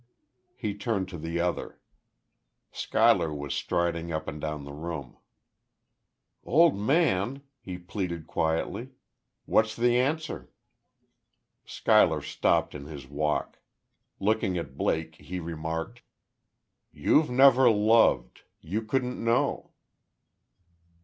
He turned to the other; Schuyler was striding up and down the room. "Old man," he pleaded, quietly, "what's the answer?" Schuyler stopped in his walk. Looking at Blake, he remarked: "You've never loved. You couldn't know."